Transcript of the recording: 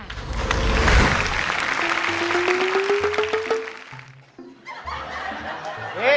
นี่